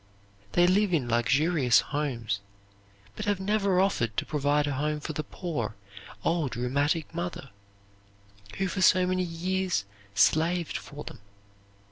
They live in luxurious homes, but have never offered to provide a home for the poor, old rheumatic mother, who for so many years slaved for them.